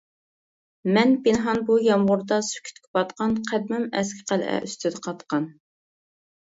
مەن پىنھان بۇ يامغۇردا سۈكۈتكە پاتقان، قەدىمىم ئەسكى قەلئە ئۈستىدە قاتقان.